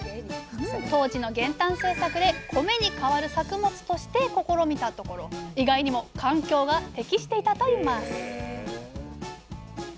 当時の減反政策で米にかわる作物として試みたところ意外にも環境が適していたといいます